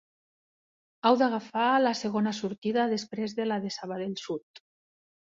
Heu d'agafar la segona sortida després de la de Sabadell Sud.